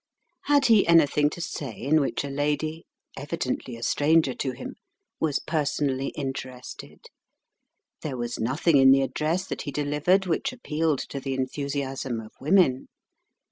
Had he anything to say in which a lady (evidently a stranger to him) was personally interested? There was nothing in the address that he delivered which appealed to the enthusiasm of women.